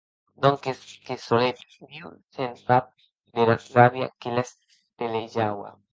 Donques que solet Diu se’n sap dera ràbia que les pelejaua.